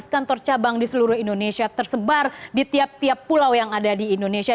lima belas kantor cabang di seluruh indonesia tersebar di tiap tiap pulau yang ada di indonesia